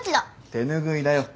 手拭いだよ。